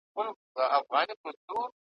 عدالت خو به اوس دلته چلېدلای ,